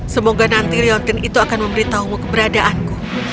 semoga nanti riontin itu akan memberitahumu keberadaanku